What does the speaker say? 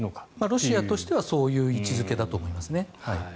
ロシアとしてはそういう位置付けだと思いますね。